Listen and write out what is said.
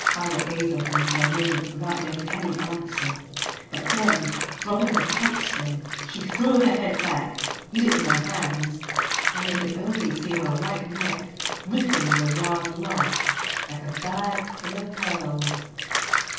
Baya gazed on him for a moment without making any answer; but then, dropping her pipe stem, she threw her head back, hid it in her hands, and they could only see her white neck rippling with a wild laugh like a bag full of pearls.